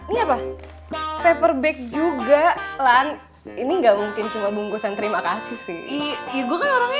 ini apa paperback juga lan ini nggak mungkin cuma bungkusan terima kasih sih iya iya gue kan orangnya